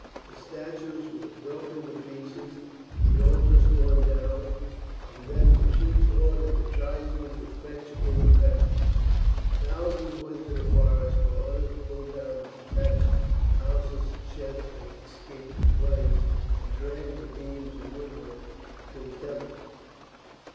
The statues were broken to pieces, the altars torn down, and then the chiefs ordered the tribesmen to fetch in faggots. Thousands went to the forest, while others pulled down detached houses and sheds that had escaped the flames, and dragged the beams and woodwork to the temple.